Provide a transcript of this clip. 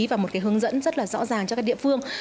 và một cái hướng dẫn rất là rõ ràng cho các địa phương